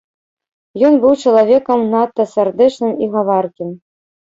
Ён быў чалавекам надта сардэчным і гаваркім.